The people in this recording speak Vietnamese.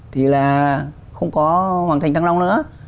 thì là không có hoàn thành tăng long nữa